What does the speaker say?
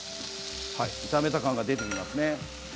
炒めた感が出ていますね。